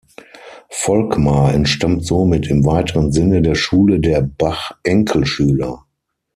Volckmar entstammt somit im weiteren Sinne der Schule der Bach-Enkelschüler.